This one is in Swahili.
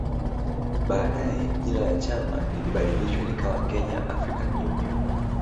Baadae jina la chama lilibadilishwa likawa Kenya African Union